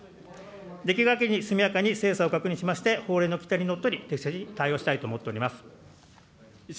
できるだけ速やかに精査を確認しまして、法令の規定にのっとり適正に対応したいと思っております。